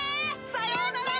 さようなら！